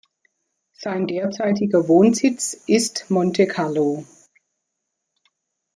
Sein derzeitiger Wohnsitz ist Monte Carlo.